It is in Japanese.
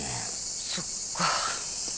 そっか。